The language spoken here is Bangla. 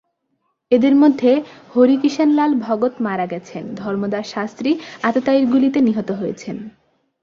এদের মধ্যে হরিকিষেণলাল ভগত মারা গেছেন, ধর্মদাস শাস্ত্রী আততায়ীর গুলিতে নিহত হয়েছেন।